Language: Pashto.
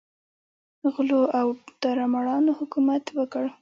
غلو او داړه مارانو حکومت وکړ.